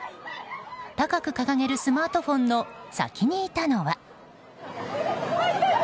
高く掲げるスマートフォンの先にいたのは。